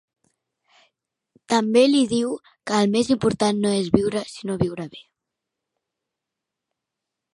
També li diu que el més important no és viure sinó viure bé.